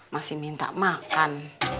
masih minta makan